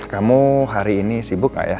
kamu hari ini sibuk gak ya